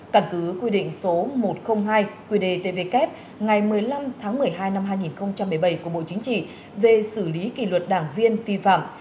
cản cứ quy định số một trăm linh hai quy đề tvk ngày một mươi năm tháng một mươi hai năm hai nghìn một mươi bảy của bộ chính trị về xử lý kỷ luật đảng viên vi phạm